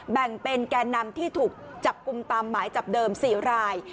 แบ่งเป็นแก่นำที่ถูกจับกลุ่มตามหมายจับเดิม๔ราย